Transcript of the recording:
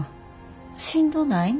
しんどないの？